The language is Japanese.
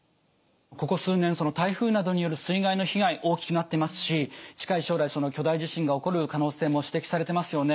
ここ数年台風などによる水害の被害大きくなってますし近い将来巨大地震が起こる可能性も指摘されてますよね。